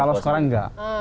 kalau sekarang enggak